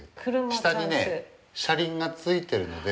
下にね車輪がついてるので。